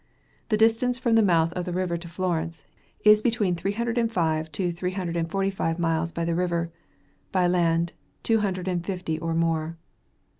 The distance from the mouth of the river to Florence, is from between three hundred and five to three hundred and forty five miles by the river; by land, two hundred and fifty, or more.